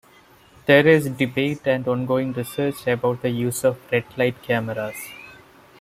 There is debate and ongoing research about the use of red light cameras.